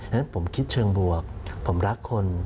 ฉะนั้นผมคิดเชิงบวกผมรักคน